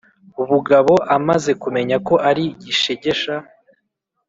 bugabo amaze kumenya ko ari gishegesha